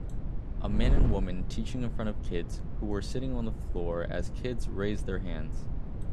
A man and a woman teaching in front of kids who were sitting on the floor as kids raise their hands